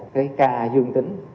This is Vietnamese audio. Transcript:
cái ca dương tính